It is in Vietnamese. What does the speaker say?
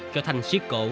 cho thành siết cổ